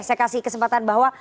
saya kasih kesempatan bahwa